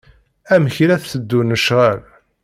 Amek i la teddun lecɣal.